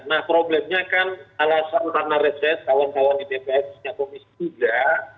nah problemnya kan alasan utama reses kawan kawan di dpr diakomis juga